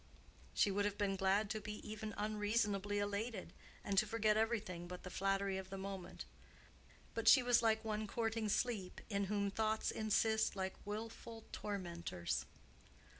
She would have been glad to be even unreasonably elated, and to forget everything but the flattery of the moment; but she was like one courting sleep, in whom thoughts insist like willful tormentors.